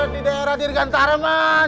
di daerah dirgantara man